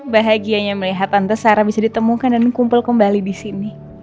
bahagianya melihat antasara bisa ditemukan dan kumpul kembali di sini